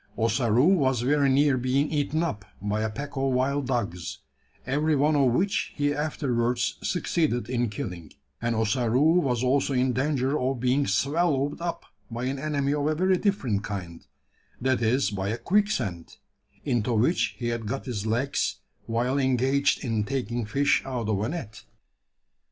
Ossaroo was very near being eaten up by a pack of wild dogs every one of which he afterwards succeeded in killing; and Ossaroo was also in danger of being swallowed up by an enemy of a very different kind that is by a quicksand, into which he had got his legs while engaged in taking fish out of a net!